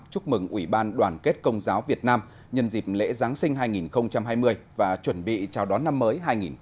chúc mừng ủy ban đoàn kết công giáo việt nam nhân dịp lễ giáng sinh hai nghìn hai mươi và chuẩn bị chào đón năm mới hai nghìn hai mươi một